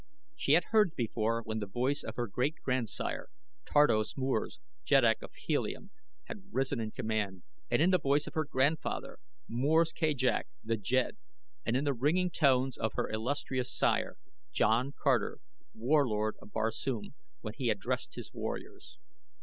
She had heard it before when the voice of her great grandsire, Tardos Mors, Jeddak of Helium, had risen in command; and in the voice of her grandfather, Mors Kajak, the jed; and in the ringing tones of her illustrious sire, John Carter, Warlord of Barsoom, when he addressed his warriors.